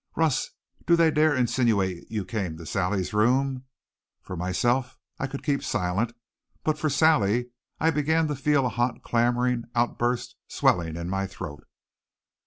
"Russ, do they dare insinuate you came to Sally's room?" For myself I could keep silent, but for Sally I began to feel a hot clamoring outburst swelling in my throat.